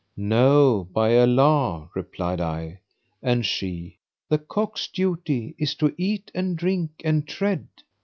"No, by Allah!" replied I, and she, "The cock's duty is to eat and drink and tread.'